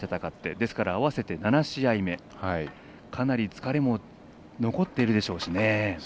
ですから、合わせて７試合目、かなり疲れも残っているでしょうしね。